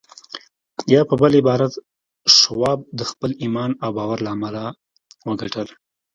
يا په بل عبارت شواب د خپل ايمان او باور له امله وګټل.